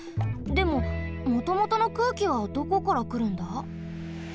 でももともとの空気はどこからくるんだ？